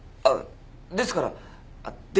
あっですからあっ